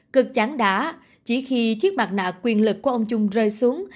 cực chán đá chỉ khi chiếc mặt nạ quyền lực của ông trung rơi xuống